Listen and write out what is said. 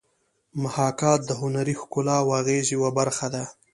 محاکات د هنري ښکلا او اغېز یوه برخه ده